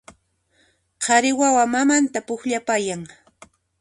Qhari wawa mamanta pukllapayan